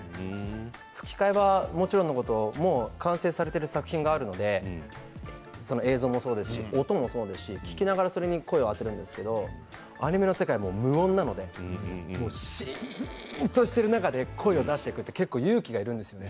吹き替えはもちろんのこと完成されている作品があるので映像もそうですし音もそうですし聞きながらそれに声をあてるんですけどアニメの世界は無音なのでシーンとしている中で声を出していくって結構、勇気がいるんですよね